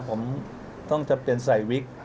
ผมต้องจะเปลี่ยนใส่วิก